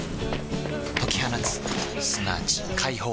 解き放つすなわち解放